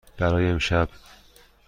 برای امشب.